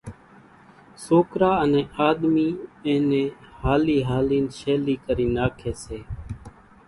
سوڪرا انين آۮمي اِين نين ھالي ھالين شيلي ڪري ناکي سي۔